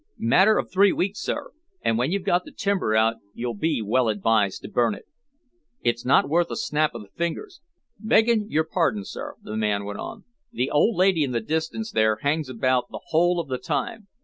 "Matter of three weeks, sir, and when we've got the timber out you'll be well advised to burn it. It's not worth a snap of the fingers. Begging your pardon, sir," the man went on, "the old lady in the distance there hangs about the whole of the time.